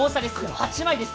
８枚です。